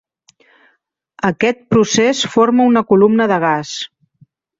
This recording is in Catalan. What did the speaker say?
Aquest procés forma una columna de gas.